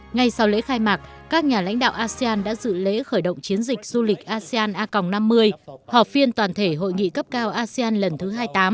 ngay sau lễ khai mạc các nhà lãnh đạo asean đã dự lễ khởi động chiến dịch du lịch asean a g năm mươi họp phiên toàn thể hội nghị cấp cao asean lần thứ hai mươi tám